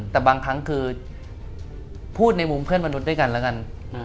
แต่บางครั้งคือพูดในมุมเพื่อนมนุษย์ด้วยกันแล้วกัน